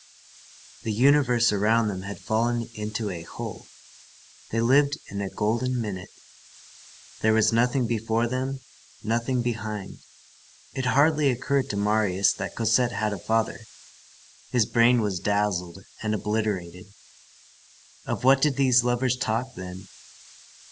The universe around them had fallen into a hole. They lived in a golden minute. There was nothing before them, nothing behind. It hardly occurred to Marius that Cosette had a father. His brain was dazzled and obliterated. Of what did these lovers talk then?